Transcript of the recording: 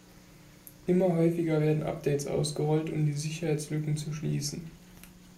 Immer häufiger werden Updates ausgerollt, um die Sicherheitslücken zu schließen.